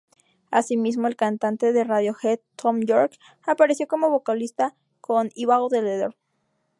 Asimismo, el cantante de Radiohead, Thom Yorke, apareció como vocalista en "E-Bow the Letter".